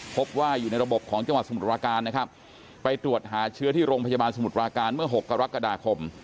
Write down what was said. พบว่าอยู่ในระบบของจังหวัดสมุทรปราการนะครับไปตรวจหาเชื้อที่โรงพยาบาลสมุทรปราการเมื่อ๖กรกฎาคม